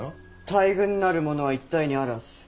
大軍なるものは一体にあらず。